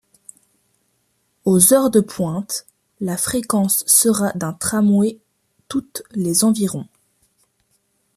Aux heures de pointe, la fréquence sera d'un tramway toutes les environ.